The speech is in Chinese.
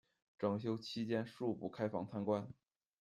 整修期间恕不开放参观